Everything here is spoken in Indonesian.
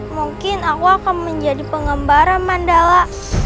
mungkin aku akan menjadi pengembara mandala